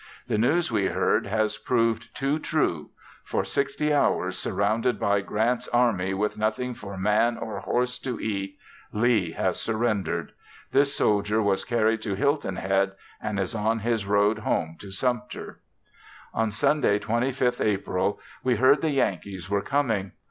The news we heard has proved too true; for sixty hours surrounded by Grant's army with nothing for man or horse to eat, Lee has surrendered! This soldier was carried to Hilton Head, and is on his road home to Sumter. On Sunday 25th April we heard the Yankees were coming.